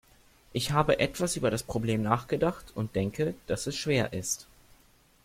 Ich habe etwas über das Problem nachgedacht und denke, dass es schwer ist.